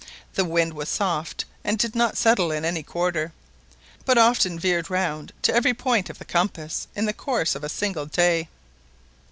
The wind was soft, and did not settle in any quarter, but often veered round to every point of the compass in the course of a single day.